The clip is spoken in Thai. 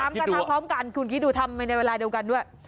กระทะพร้อมกันคุณคิดดูทำไปในเวลาเดียวกันด้วย